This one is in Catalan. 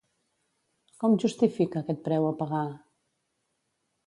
Com justifica aquest preu a pagar?